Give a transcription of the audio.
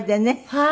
はい。